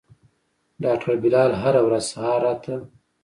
ډاکتر بلال هره ورځ سهار راته.